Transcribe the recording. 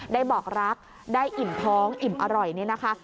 บอกรักได้อิ่มท้องอิ่มอร่อยนี่นะคะ